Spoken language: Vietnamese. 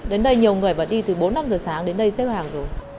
đến đây nhiều người và đi từ bốn năm giờ sáng đến đây xếp hàng rồi